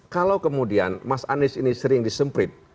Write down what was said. kalau kemudian mas anies ini sering disemprit